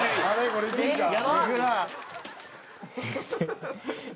これいくんちゃう？